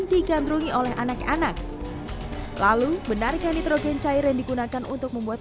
digandrungi oleh anak anak lalu benarkah nitrogen cair yang digunakan untuk membuat